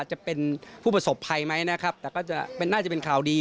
จะเป็นผู้ประสบภัยไหมนะครับแต่ก็จะน่าจะเป็นข่าวดี